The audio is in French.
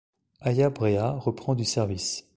Aya Brea reprend du service.